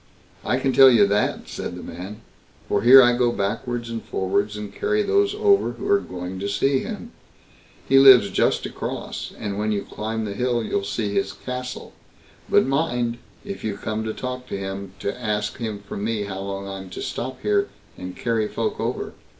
"I can tell you that", said the man; "for here I go backwards and forwards, and carry those over who are going to see him. He lives just across, and when you climb the hill you'll see his castle; but mind, if you come to talk with him, to ask him from me how long I'm to stop here and carry folk over."